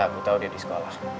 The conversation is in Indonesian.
ya gue tau dia di sekolah